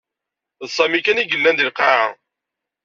D Sami kan i yellan deg lqaɛa.